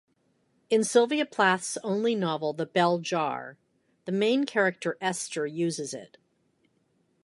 In Sylvia Plath's only novel The Bell Jar the main character Esther uses it.